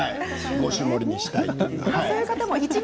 ５種盛りにしたい。